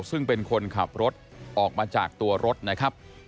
ซึ่งเป็นคนขับรถออกมาจากตัวรถนะครับ